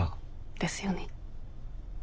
ですよね。